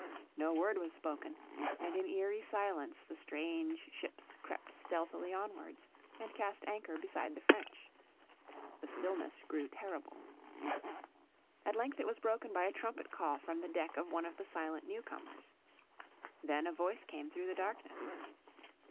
No word was spoken, and in eerie silence the strange ships crept stealthily onwards, and cast anchor beside the French. The stillness grew terrible. At length it was broken by a trumpet call from the deck of one of the silent new comers. Then a voice came through the darkness.